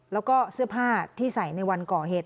แล้วก็เสื้อผ้าที่ใส่ในวันก่อเหตุ